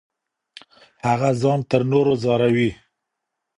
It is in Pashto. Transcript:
هغه ځان تر نورو ځاروي.